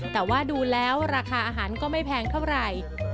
แต่ว่าดูแล้วราคาอาหารก็ไม่แพงเท่าไหร่